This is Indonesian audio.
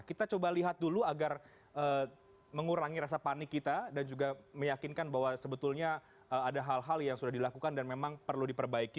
kita coba lihat dulu agar mengurangi rasa panik kita dan juga meyakinkan bahwa sebetulnya ada hal hal yang sudah dilakukan dan memang perlu diperbaiki